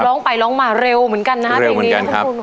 ร้องไปร้องมาเร็วเหมือนกันนะครับ